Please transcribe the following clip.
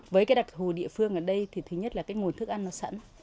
với cái đặc thù địa phương ở đây thì thứ nhất là cái nguồn thức ăn nó sẵn